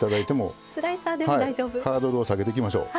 ハードルを下げていきましょう。